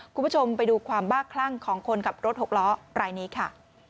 คุณผู้ชมไปดูความบ้าคลั่งของคนขับรถหกล้อรายนี้ค่ะ